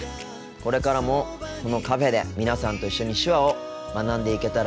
これからもこのカフェで皆さんと一緒に手話を学んでいけたらいいなと思っています。